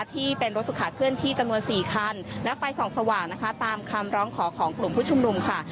ที่เป็นรถสุขาเคลื่อนที่จำนวน๔คันและไฟส่องสว่างนะคะตามคำร้องขอของกลุ่มผู้ชุมนุมค่ะ